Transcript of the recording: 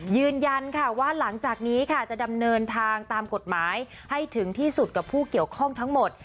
ยืนยันค่ะว่าหลังจากนี้ค่ะจะดำเนินทางตามกฎหมายให้ถึงที่สุดกับผู้เกี่ยวข้องทั้งหมด